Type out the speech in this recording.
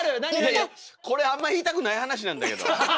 これあんま言いたくない話なんだけど。